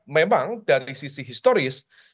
memang dari sisi historis